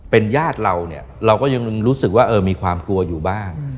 เป็นญาติเราเนี่ยเราก็ยังรู้สึกว่ามีความกลัวอยู่บ้าง